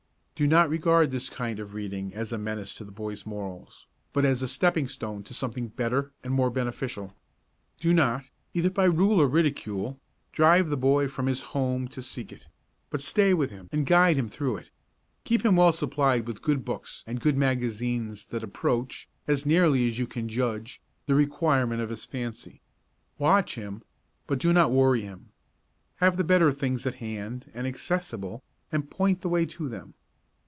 Do not regard this kind of reading as a menace to the boy's morals, but as a stepping stone to something better and more beneficial. Do not, either by rule or ridicule, drive the boy from his home to seek it, but stay with him and guide him through it. Keep him well supplied with good books and good magazines that approach, as nearly as you can judge, the requirement of his fancy. Watch him, but do not worry him. Have the better things at hand and accessible and point the way to them.